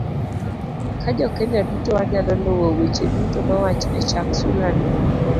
Ka Jo Kenya duto wanyalo luwo weche duto mowach e chak sulani